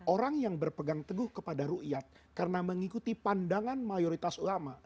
orang yang berpegang teguh kepada rukyat karena mengikuti pandangan mayoritas ulama